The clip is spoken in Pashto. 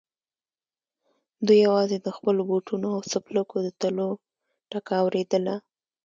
دوی يواځې د خپلو بوټونو او څپلکو د تلو ټکا اورېدله.